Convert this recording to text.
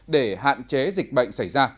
để hạn chế dịch bệnh xảy ra